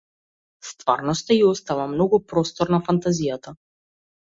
Стварноста ѝ остава многу простор на фантазијата.